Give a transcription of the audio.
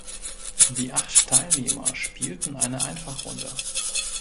Die acht Teilnehmer spielten eine Einfachrunde.